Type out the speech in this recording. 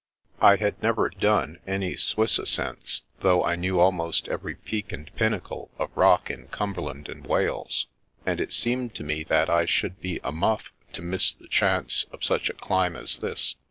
I had never " done " any Swiss ascents, though I knew almost every peak and pinnacle of rock in Cumberland and Wales, and it seemed to me that I should be a muff to miss the chance of such a climb as this.